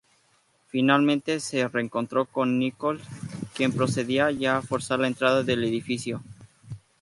Finalmente se reencontró con Nichols quien procedía ya a forzar la entrada del edificio.